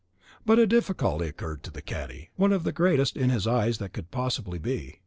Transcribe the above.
But a difficulty occurred to the cadi, one of the greatest in his eyes that could possibly be.